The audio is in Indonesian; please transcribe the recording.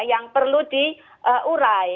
yang perlu diurai